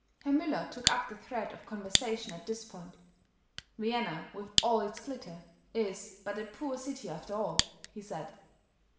Herr Müller took up the thread of conversation at this point. "Vienna, with all its glitter, is but a poor city, after all," he said.